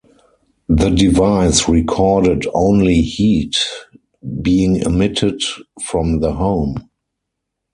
The device recorded only heat being emitted from the home.